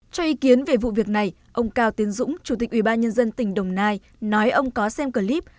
cho ý kiến về vụ việc này ông cao tiến dũng chủ tịch ubnd tỉnh đồng nai nói ông có xem clip